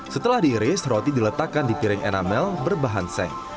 setelah diiris roti diletakkan di piring enamel berbahan seng